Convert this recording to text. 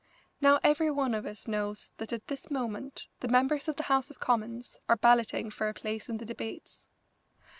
Now every one of us knows that at this moment the members of the House of Commons are balloting for a place in the debates.